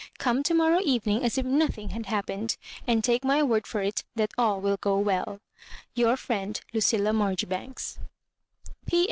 Come to morrow evening as if nothing had happened; and take my word for it that all will go well — ^Your friend, *^ LUOILLA MaBJOBIBANES "P.